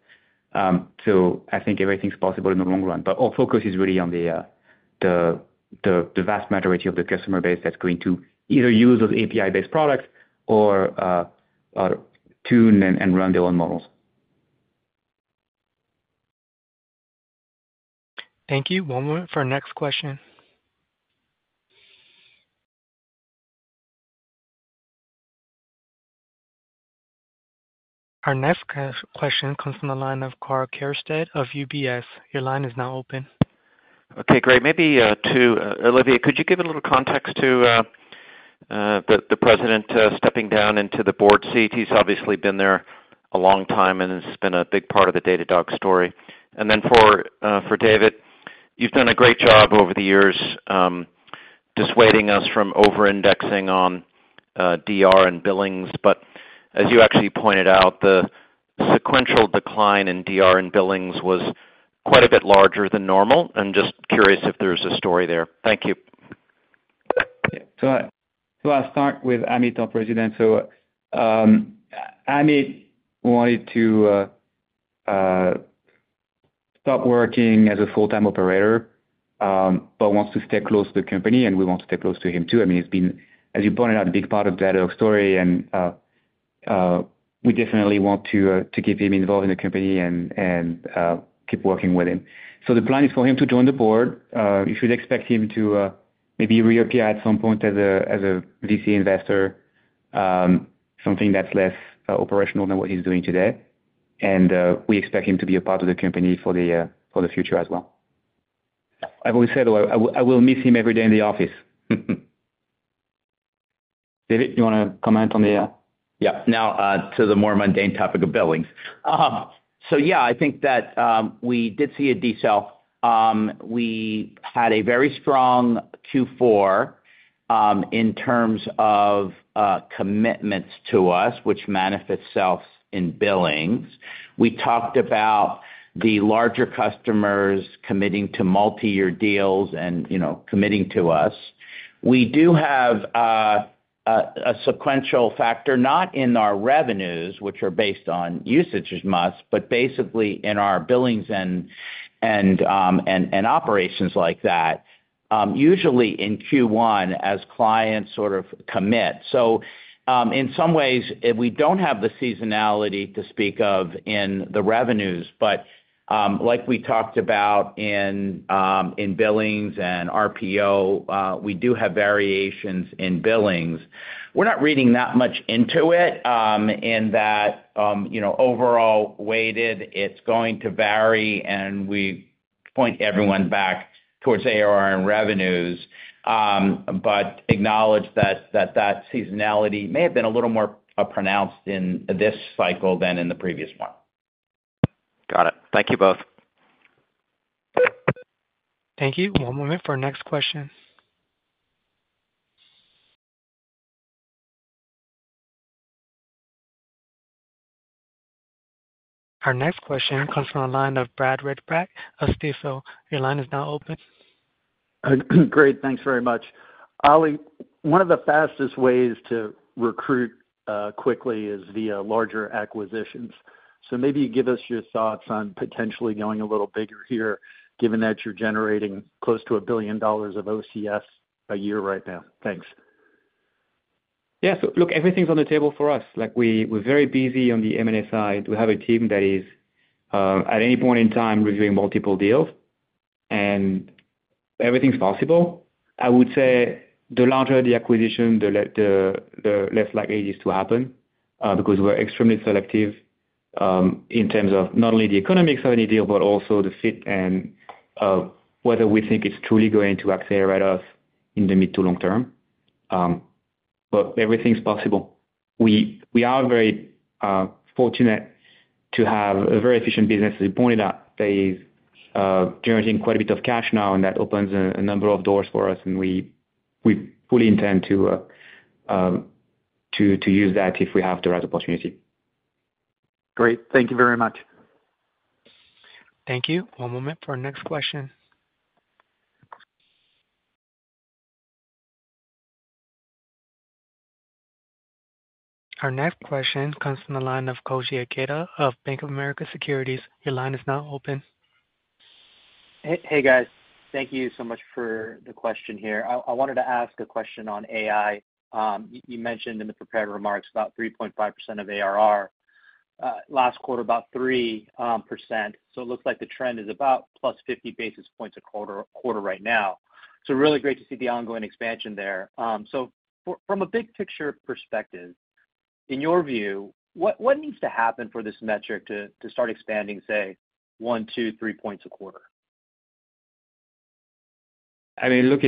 [SPEAKER 3] So I think everything's possible in the long run. But our focus is really on the vast majority of the customer base that's going to either use those API-based products or tune and run their own models.
[SPEAKER 1] Thank you. One moment for our next question. Our next question comes from the line of Karl Keirstead of UBS. Your line is now open.
[SPEAKER 14] Okay. Great. Maybe Olivier, could you give a little context to the president stepping down into the board seat? He's obviously been there a long time, and it's been a big part of the Datadog story. And then for David, you've done a great job over the years dissuading us from over-indexing on DR and billings. But as you actually pointed out, the sequential decline in DR and billings was quite a bit larger than normal. I'm just curious if there's a story there. Thank you.
[SPEAKER 3] I'll start with Amit, our President. So Amit wanted to stop working as a full-time operator but wants to stay close to the company, and we want to stay close to him too. I mean, as you pointed out, a big part of Datadog's story, and we definitely want to keep him involved in the company and keep working with him. So the plan is for him to join the board. You should expect him to maybe reappear at some point as a VC investor, something that's less operational than what he's doing today. And we expect him to be a part of the company for the future as well. I've always said though, I will miss him every day in the office. David, you want to comment on the?
[SPEAKER 4] Yeah. Now to the more mundane topic of billings. So yeah, I think that we did see a decel. We had a very strong Q4 in terms of commitments to us, which manifests itself in billings. We talked about the larger customers committing to multi-year deals and committing to us. We do have a sequential factor, not in our revenues, which are based on usage as much, but basically in our billings and operations like that, usually in Q1 as clients sort of commit. So in some ways, we don't have the seasonality to speak of in the revenues. But like we talked about in billings and RPO, we do have variations in billings. We're not reading that much into it in that overall weighted. It's going to vary, and we point everyone back towards ARR and revenues but acknowledge that that seasonality may have been a little more pronounced in this cycle than in the previous one.
[SPEAKER 14] Got it. Thank you both.
[SPEAKER 1] Thank you. One moment for our next question. Our next question comes from the line of Brad Reback of Stifel. Your line is now open.
[SPEAKER 15] Great. Thanks very much. Olivier, one of the fastest ways to recruit quickly is via larger acquisitions. So maybe you give us your thoughts on potentially going a little bigger here given that you're generating close to $1 billion of OCF a year right now. Thanks.
[SPEAKER 3] Yeah. So look, everything's on the table for us. We're very busy on the M&A side. We have a team that is at any point in time reviewing multiple deals. And everything's possible. I would say the larger the acquisition, the less likely it is to happen because we're extremely selective in terms of not only the economics of any deal but also the fit and whether we think it's truly going to accelerate us in the mid to long term. But everything's possible. We are very fortunate to have a very efficient business. As you pointed out, that is generating quite a bit of cash now, and that opens a number of doors for us. And we fully intend to use that if we have the right opportunity.
[SPEAKER 15] Great. Thank you very much.
[SPEAKER 1] Thank you. One moment for our next question. Our next question comes from the line of Koji Ikeda of Bank of America Securities. Your line is now open.
[SPEAKER 16] Hey, guys. Thank you so much for the question here. I wanted to ask a question on AI. You mentioned in the prepared remarks about 3.5% of ARR last quarter, about 3%. So it looks like the trend is about +50 basis points a quarter right now. So really great to see the ongoing expansion there. So from a big picture perspective, in your view, what needs to happen for this metric to start expanding, say, one, two, three points a quarter?
[SPEAKER 3] I mean, look,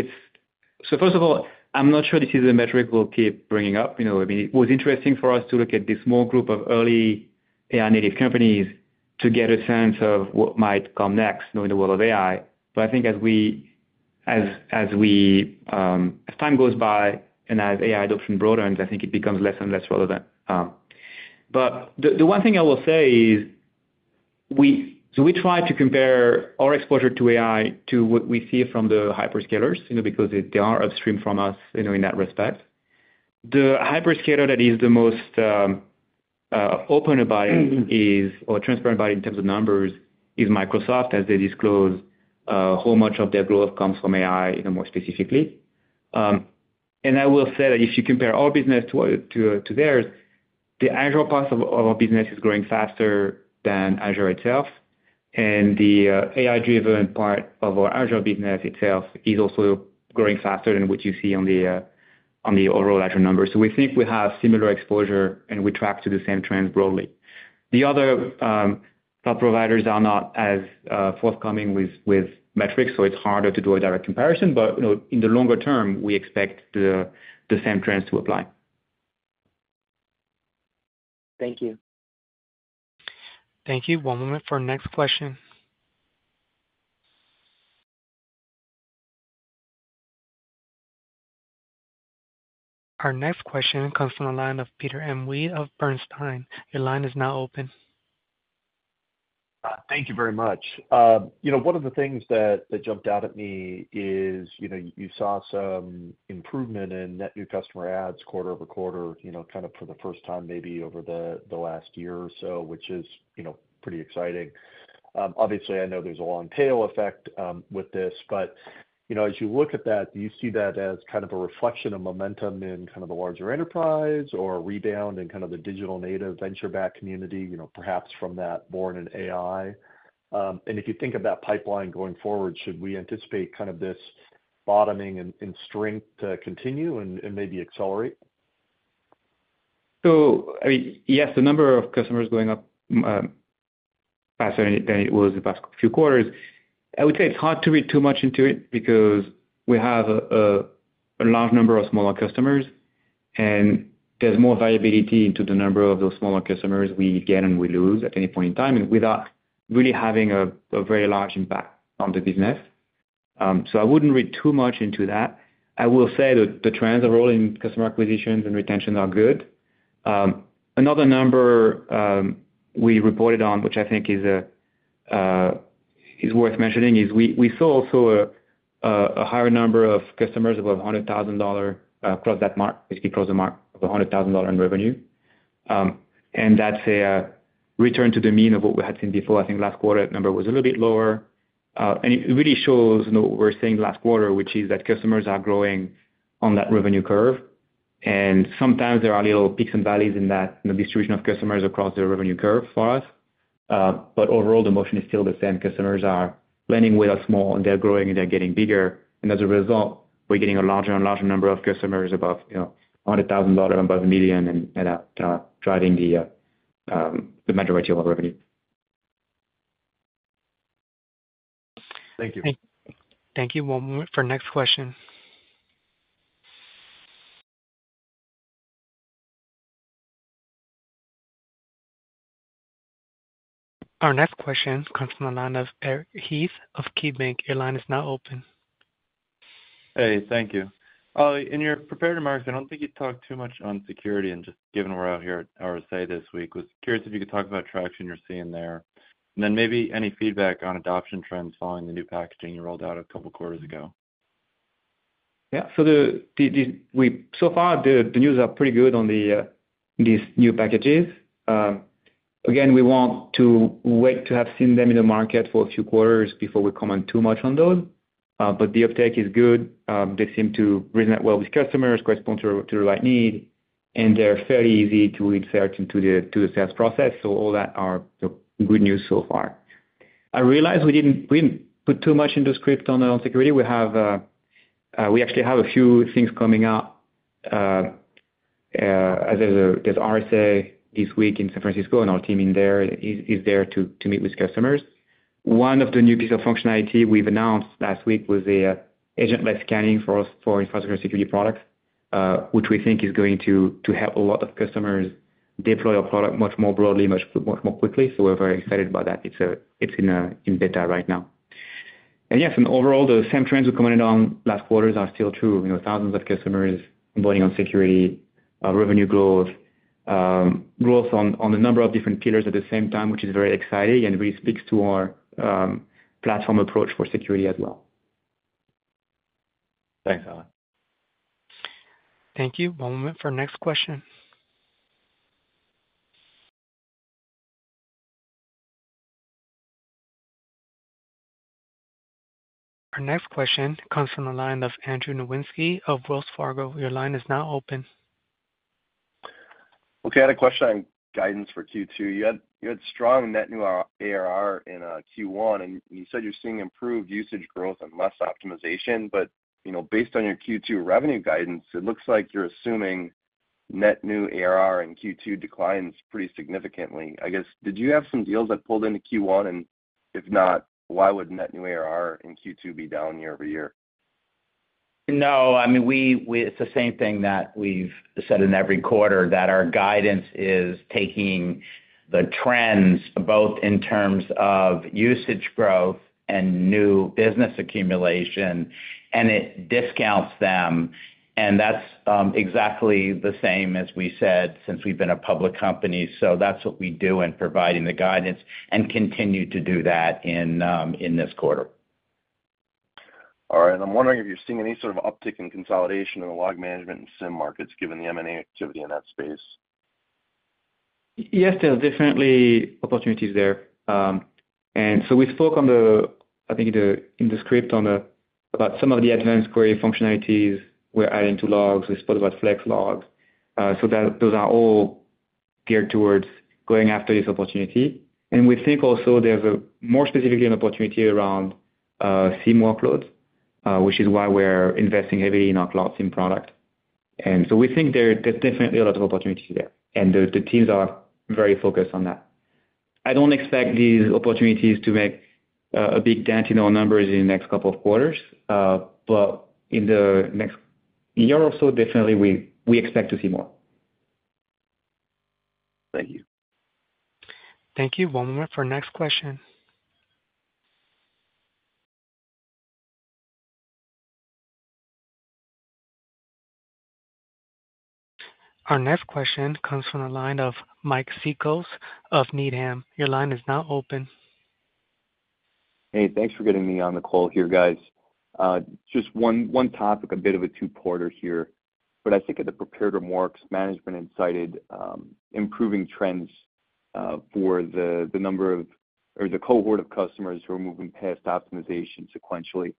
[SPEAKER 3] so first of all, I'm not sure this is a metric we'll keep bringing up. I mean, it was interesting for us to look at this small group of early AI-native companies to get a sense of what might come next in the world of AI. But I think as time goes by and as AI adoption broadens, I think it becomes less and less relevant. But the one thing I will say is so we try to compare our exposure to AI to what we see from the hyperscalers because they are upstream from us in that respect. The hyperscaler that is the most open about it or transparent about it in terms of numbers is Microsoft, as they disclose how much of their growth comes from AI more specifically. I will say that if you compare our business to theirs, the Azure part of our business is growing faster than Azure itself. The AI-driven part of our Azure business itself is also growing faster than what you see on the overall Azure numbers. We think we have similar exposure, and we track to the same trends broadly. The other cloud providers are not as forthcoming with metrics, so it's harder to do a direct comparison. In the longer term, we expect the same trends to apply.
[SPEAKER 16] Thank you.
[SPEAKER 1] Thank you. One moment for our next question. Our next question comes from the line of Peter M. Weed of Bernstein. Your line is now open.
[SPEAKER 17] Thank you very much. One of the things that jumped out at me is you saw some improvement in net new customer adds quarter-over-quarter kind of for the first time maybe over the last year or so, which is pretty exciting. Obviously, I know there's a long tail effect with this. But as you look at that, do you see that as kind of a reflection of momentum in kind of the larger enterprise or a rebound in kind of the digital-native venture-backed community, perhaps from that born in AI? And if you think of that pipeline going forward, should we anticipate kind of this bottoming in strength to continue and maybe accelerate?
[SPEAKER 3] So I mean, yes, the number of customers going up faster than it was the past few quarters. I would say it's hard to read too much into it because we have a large number of smaller customers, and there's more variability into the number of those smaller customers we gain and we lose at any point in time without really having a very large impact on the business. So I wouldn't read too much into that. I will say that the trends overall in customer acquisitions and retention are good. Another number we reported on, which I think is worth mentioning, is we saw also a higher number of customers above $100,000 across that mark, basically across the mark of $100,000 in revenue. And that's a return to the mean of what we had seen before. I think last quarter, that number was a little bit lower. It really shows what we were saying last quarter, which is that customers are growing on that revenue curve. Sometimes there are little peaks and valleys in that distribution of customers across the revenue curve for us. But overall, the motion is still the same. Customers are planning with us more, and they're growing, and they're getting bigger. As a result, we're getting a larger and larger number of customers above $100,000, above $1 million, and that's kind of driving the majority of our revenue.
[SPEAKER 17] Thank you.
[SPEAKER 1] Thank you. One moment for our next question. Our next question comes from the line of Eric Heath of KeyBanc Capital Markets. Your line is now open.
[SPEAKER 18] Hey. Thank you. Olivier, in your prepared remarks, I don't think you talked too much on security and, just given we're out here at RSA this week. I was curious if you could talk about traction you're seeing there and then maybe any feedback on adoption trends following the new packaging you rolled out a couple of quarters ago.
[SPEAKER 3] Yeah. So far, the news are pretty good on these new packages. Again, we want to wait to have seen them in the market for a few quarters before we comment too much on those. But the uptake is good. They seem to resonate well with customers, correspond to the right need, and they're fairly easy to insert into the sales process. So all that are good news so far. I realize we didn't put too much into script on security. We actually have a few things coming up. There's RSA this week in San Francisco, and our team is there to meet with customers. One of the new pieces of functionality we've announced last week was agentless scanning for infrastructure security products, which we think is going to help a lot of customers deploy our product much more broadly, much more quickly. So we're very excited about that. It's in beta right now. And yes, and overall, the same trends we commented on last quarters are still true. Thousands of customers embarking on security, revenue growth, growth on a number of different pillars at the same time, which is very exciting and really speaks to our platform approach for security as well.
[SPEAKER 18] Thanks, Alan.
[SPEAKER 1] Thank you. One moment for our next question. Our next question comes from the line of Andrew Nowinski of Wells Fargo. Your line is now open.
[SPEAKER 19] Okay. I had a question on guidance for Q2. You had strong net new ARR in Q1, and you said you're seeing improved usage growth and less optimization. But based on your Q2 revenue guidance, it looks like you're assuming net new ARR in Q2 declines pretty significantly. I guess, did you have some deals that pulled into Q1? And if not, why would net new ARR in Q2 be down year-over-year?
[SPEAKER 12] No. I mean, it's the same thing that we've said in every quarter, that our guidance is taking the trends both in terms of usage growth and new business accumulation, and it discounts them. And that's exactly the same as we said since we've been a public company. So that's what we do in providing the guidance and continue to do that in this quarter.
[SPEAKER 19] All right. I'm wondering if you're seeing any sort of uptick in consolidation in the Log Management and SIEM markets given the M&A activity in that space.
[SPEAKER 3] Yes, there are definitely opportunities there. And so we spoke on the I think in the script about some of the advanced query functionalities we're adding to logs. We spoke about Flex Logs. So those are all geared towards going after this opportunity. And we think also there's more specifically an opportunity around SIEM workloads, which is why we're investing heavily in our Cloud SIEM product. And so we think there's definitely a lot of opportunities there, and the teams are very focused on that. I don't expect these opportunities to make a big dent in our numbers in the next couple of quarters. But in the next year or so, definitely, we expect to see more.
[SPEAKER 19] Thank you.
[SPEAKER 1] Thank you. One moment for our next question. Our next question comes from the line of Mike Cikos of Needham. Your line is now open.
[SPEAKER 20] Hey. Thanks for getting me on the call here, guys. Just one topic, a bit of a two-parter here. But I think at the prepared remarks, management highlighted improving trends for the number or the cohort of customers who are moving past optimization sequentially.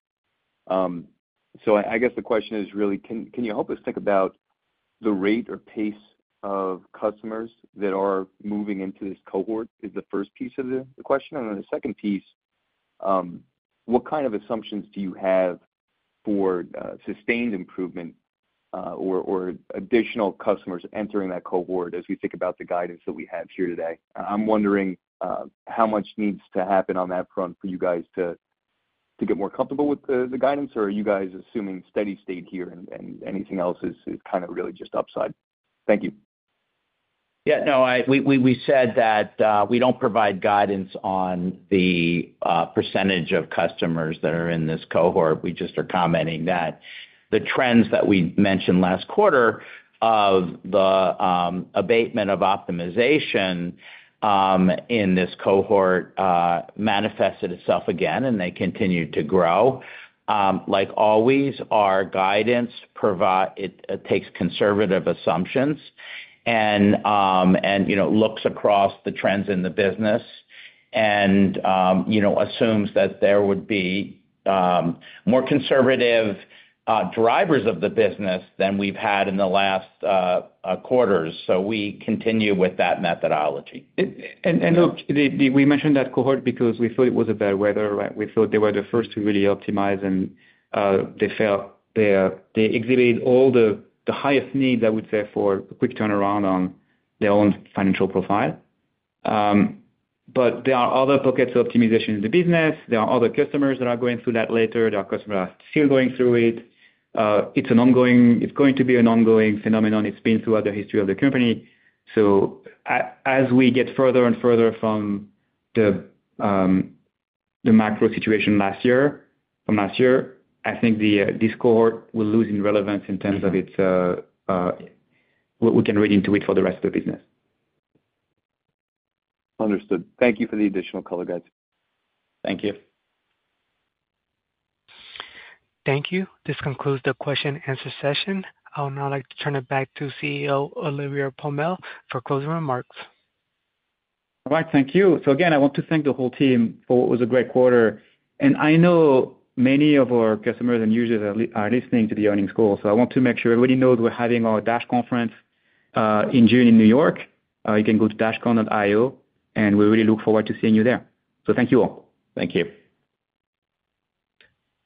[SPEAKER 20] So I guess the question is really, can you help us think about the rate or pace of customers that are moving into this cohort? Is the first piece of the question. And then the second piece, what kind of assumptions do you have for sustained improvement or additional customers entering that cohort as we think about the guidance that we have here today? I'm wondering how much needs to happen on that front for you guys to get more comfortable with the guidance, or are you guys assuming steady state here and anything else is kind of really just upside? Thank you.
[SPEAKER 12] Yeah. No. We said that we don't provide guidance on the percentage of customers that are in this cohort. We just are commenting that. The trends that we mentioned last quarter of the abatement of optimization in this cohort manifested itself again, and they continue to grow. Like always, our guidance, it takes conservative assumptions and looks across the trends in the business and assumes that there would be more conservative drivers of the business than we've had in the last quarters. So we continue with that methodology.
[SPEAKER 3] And look, we mentioned that cohort because we thought it was a bad weather, right? We thought they were the first to really optimize, and they exhibited all the highest needs, I would say, for a quick turnaround on their own financial profile. But there are other pockets of optimization in the business. There are other customers that are going through that later. There are customers that are still going through it. It's going to be an ongoing phenomenon. It's been throughout the history of the company. So as we get further and further from the macro situation from last year, I think this cohort will lose in relevance in terms of what we can read into it for the rest of the business.
[SPEAKER 20] Understood. Thank you for the additional color guidance.
[SPEAKER 12] Thank you.
[SPEAKER 1] Thank you. This concludes the question-answer session. I would now like to turn it back to CEO Olivier Pomel for closing remarks.
[SPEAKER 3] All right. Thank you. So again, I want to thank the whole team for what was a great quarter. And I know many of our customers and users are listening to the earnings call. So I want to make sure everybody knows we're having our DASH conference in June in New York. You can go to dashcon.io, and we really look forward to seeing you there. So thank you all.
[SPEAKER 12] Thank you.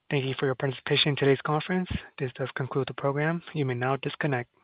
[SPEAKER 1] Thank you for your participation in today's conference. This does conclude the program. You may now disconnect.